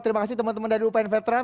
terima kasih teman teman dari upn veteran